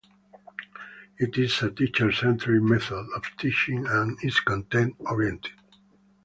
It is a teacher-centered method of teaching and is content oriented.